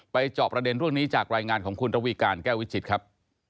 จอบประเด็นเรื่องนี้จากรายงานของคุณระวีการแก้ววิจิตรครับ